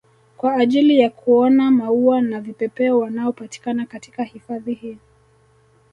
Kwa ajili ya kuona maua na vipepeo wanaopatikana katika hifadhi hii